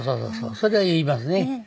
それは言いますね。